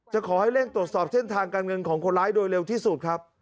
ขอให้เร่งตรวจสอบเส้นทางการเงินของคนร้ายโดยเร็วที่สุดครับ